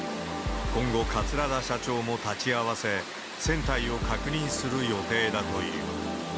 今後、桂田社長も立ち会わせ、船体を確認する予定だという。